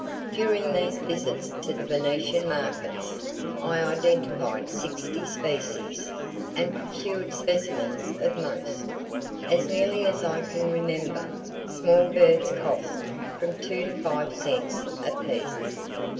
"During these visits to the Venetian markets, I identified 60 species, and procured specimens of most. As nearly as I can remember, small birds cost from two to five cents apiece.